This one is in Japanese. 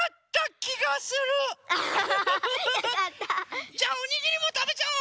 ハハハハハ。じゃあおにぎりもたべちゃおう！